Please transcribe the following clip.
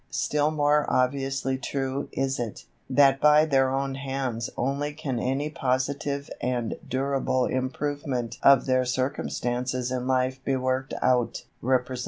Still more obviously true is it, that by their own hands only can any positive and durable improvement of their circumstances in life be worked out" (_Repres.